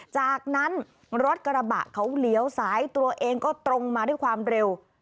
จากนั้นรถกระบะเขาเลี้ยวซ้ายตัวเองก็ตรงมาด้วยความเร็ว